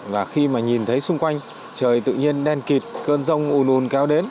và khi mà nhìn thấy xung quanh trời tự nhiên đen kịt cơn rông ùn ùn kéo đến